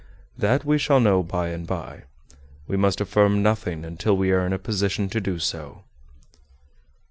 That we shall know by and by. We must affirm nothing until we are in a position to do so."